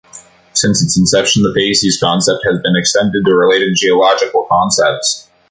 Since its inception, the facies concept has been extended to related geological concepts.